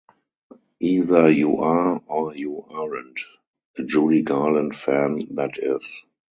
Either you are or you aren't - a Judy Garland fan that is.